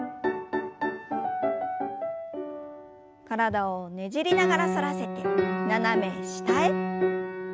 体をねじりながら反らせて斜め下へ。